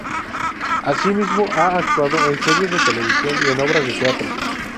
Asimismo, ha actuado en series de televisión y en obras de teatro.